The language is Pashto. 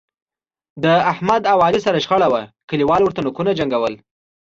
د احمد او علي سره شخړه وه، کلیوالو ورته نوکونو جنګول.